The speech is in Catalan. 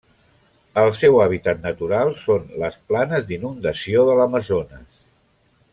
El seu hàbitat natural són les planes d'inundació de l'Amazones.